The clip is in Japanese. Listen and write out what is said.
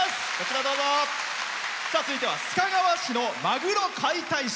続いては須賀川市のマグロ解体師。